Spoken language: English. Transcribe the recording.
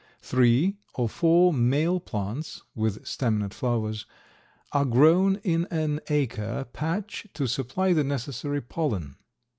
Three or four male plants (with staminate flowers) are grown in an acre patch to supply the necessary pollen.